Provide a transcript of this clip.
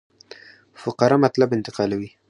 فقره مطلب انتقالوي.